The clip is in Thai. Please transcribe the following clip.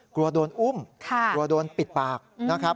กลัวโดนอุ้มกลัวโดนปิดปากนะครับ